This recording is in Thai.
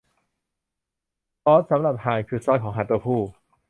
ซอสสำหรับห่านคือซอสของห่านตัวผู้